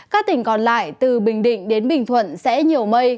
các tỉnh còn lại từ bình định đến bình thuận sẽ nhiều mây